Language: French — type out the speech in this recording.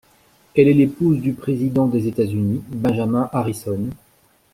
Elle est l'épouse du président des États-Unis, Benjamin Harrison,